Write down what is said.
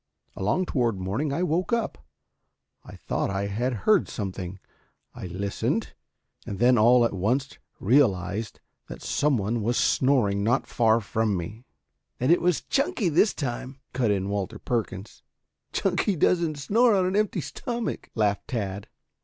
Along toward morning I woke up. I thought I had heard something. I listened, and then all at once realized that some one was snoring not far from me." "And it wasn't Chunky this time," cut in Walter Perkins. "Chunky doesn't snore on an empty stomach," laughed Tad.